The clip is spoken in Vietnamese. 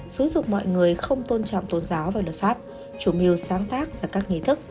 xúi dục mọi người không tôn trọng tôn giáo và luật pháp chủ mưu sáng tác ra các nghi thức